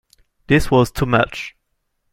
This was too much.